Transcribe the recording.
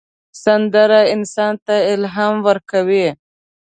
سندره انسان ته الهام ورکوي